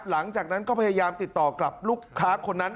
หลังจากนั้นก็พยายามติดต่อกับลูกค้าคนนั้น